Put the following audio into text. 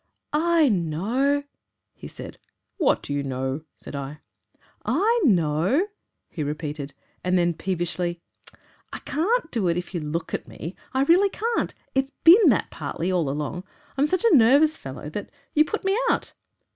'I know,' he said. 'What do you know?' said I. 'I know,' he repeated. Then he said, peevishly, 'I CAN'T do it if you look at me I really CAN'T; it's been that, partly, all along. I'm such a nervous fellow that you put me out.'